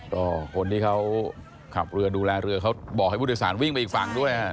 ก็คนที่เขาขับเรือดูแลเรือเขาบอกให้ผู้โดยสารวิ่งไปอีกฝั่งด้วย